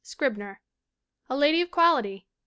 Scribner. A Lady of Quality, 1896.